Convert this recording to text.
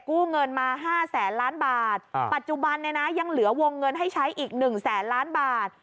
กู้เงินมา๕แสนล้านบาทปัจจุบันเนี่ยนะยังเหลือวงเงินให้ใช้อีกหนึ่งแสนล้านบาท